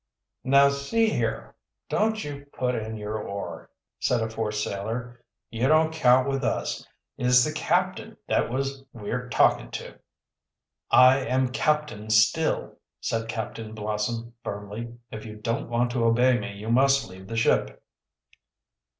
"Now, see here, don't you put in your oar," said a fourth sailor. "You don't count with us. It's the cap'n that was we're talkin' to." "I am captain still," said Captain Blossom firmly. "If you don't want to obey me, you must leave the ship."